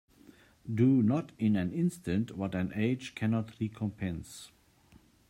Do not in an instant what an age cannot recompense.